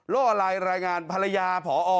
ล่อลายรายงานภรรยาพอ